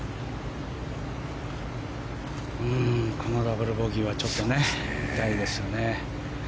このダブルボギーはちょっと痛いですね。